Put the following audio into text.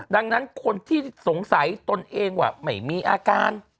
ดังนั้นคนที่สงสัยตนเองว่าไม่มีอาการ